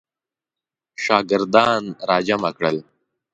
شاګردان را جمع کړل.